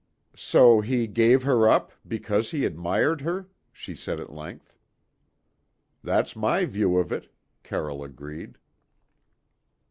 "So he gave her up because he admired her?" she said at length. "That's my view of it," Carroll agreed.